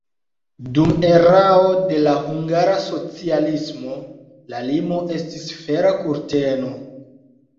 Dum erao de la hungara socialismo la limo estis Fera kurteno.